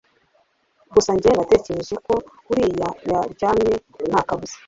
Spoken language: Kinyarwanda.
gusa njye natekereje ko buriya yaryamye ntakabuza